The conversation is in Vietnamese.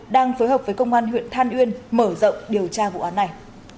đang phối hợp với công an huyện than uyên mở rộng điều tra vụ án này